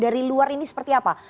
dari luar ini seperti apa